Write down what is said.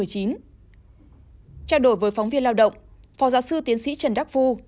trao đổi với phóng viên lao động phó giáo sư tiến sĩ trần đắc phu